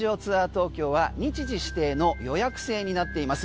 東京は日時指定の予約制になっています。